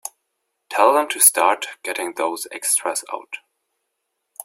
Tell them to start getting those extras out.